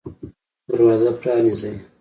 دروازه پرانیزئ